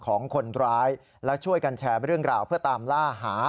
ของคนร้ายและช่วยกันแชร์เรื่องราวเพื่อตามล่าหา